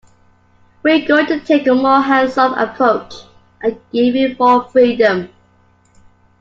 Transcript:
We're going to take a more hands-off approach and give you more freedom.